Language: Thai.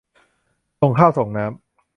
ส่งข้าวส่งน้ำ